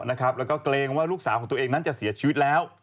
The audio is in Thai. แล้วก็เกรงว่าลูกสาวของตัวเองนั้นจะเสียชีวิตแล้ว